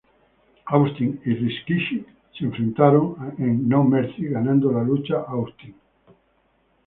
Austin y Rikishi se enfrentaron en No Mercy, ganando la lucha Austin.